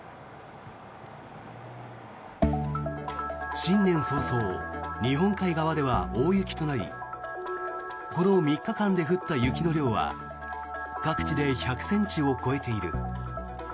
新年早々日本海側では大雪となりこの３日間で降った雪の量は各地で１００ｃｍを超えている。